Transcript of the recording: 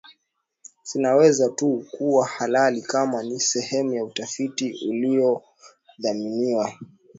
zinaweza tu kuwa halali kama ni sehemu ya utafiti uliodhaminiwa